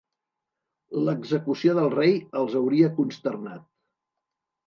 L"execució del Rei els hauria consternat.